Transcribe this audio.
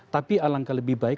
tapi alangkah lebih baik